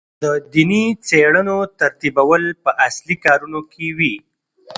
د دیني څېړنو ترتیبول په اصلي کارونو کې وي.